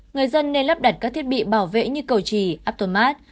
người dân nên lắp đặt các thiết bị bảo vệ như cầu chỉ aptomat